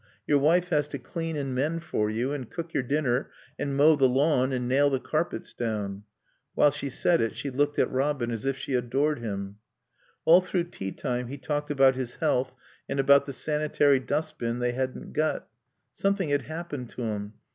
Your wife has to clean and mend for you, and cook your dinner and mow the lawn and nail the carpets down." While she said it she looked at Robin as if she adored him. All through tea time he talked about his health and about the sanitary dustbin they hadn't got. Something had happened to him.